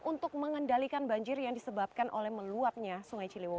untuk mengendalikan dan mengembangkan pengendalian banjir yang disebabkan oleh meluapnya sungai ciliwung